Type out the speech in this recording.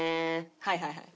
はいはいはい。